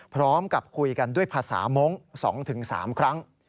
พร้อมกับคุยกันด้วยภาษามงค์๒๓ครั้ง